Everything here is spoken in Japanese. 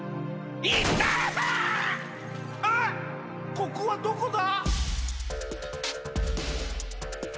ここはどこだ？